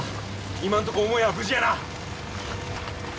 今んとこ母屋は無事やな。